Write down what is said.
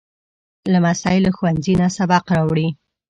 لمسی له ښوونځي نه سبق راوړي.